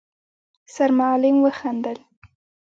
سرمعلم وخندل: